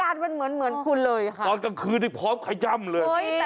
อาการเหมือนเหมือนคุณเลยคราวตอนกลางคืนพร้อมขายจ้ำเลย